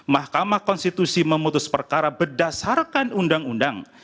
mahkamah konstitusi memutus perkara berdasarkan undang undang